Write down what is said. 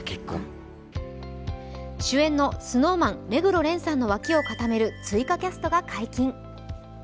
主演のＳｎｏｗＭａｎ・目黒蓮さんの脇を固める追加キャストが解禁。